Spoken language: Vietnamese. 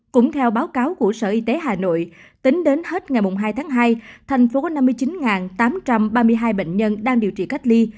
cũng theo báo cáo của sở y tế hà nội tính đến hết ngày hai tháng hai thành phố có năm mươi chín tám trăm ba mươi hai bệnh nhân đang điều trị cách ly